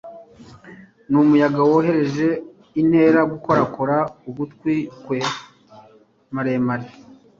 Numuyaga woroheje untera gukorakora ugutwi kwe maremare